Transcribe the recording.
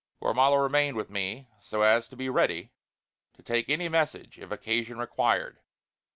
Gormala remained with me so as to be ready to take any message if occasion required.